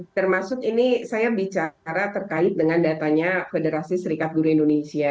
termasuk ini saya bicara terkait dengan datanya federasi serikat guru indonesia